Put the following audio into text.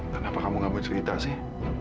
kenapa kamu gak buat cerita sih